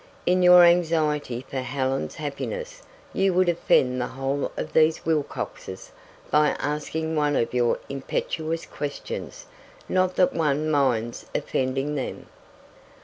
In your anxiety for Helen's happiness you would offend the whole of these Wilcoxes by asking one of your impetuous questions not that one minds offending them."